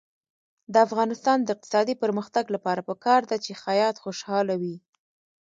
د افغانستان د اقتصادي پرمختګ لپاره پکار ده چې خیاط خوشحاله وي.